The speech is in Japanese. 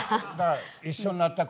一緒になった頃。